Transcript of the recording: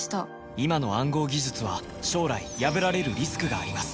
今の暗号技術は将来破られるリスクがあります